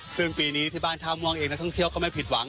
ซึ่งปีนี้ที่บ้านท่าม่วงเองนักท่องเที่ยวก็ไม่ผิดหวัง